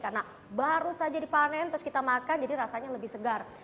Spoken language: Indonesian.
karena baru saja dipanen terus kita makan jadi rasanya lebih segar